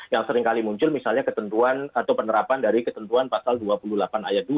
yang seringkali muncul misalnya ketentuan atau penerapan dari ketentuan pasal dua puluh delapan ayat dua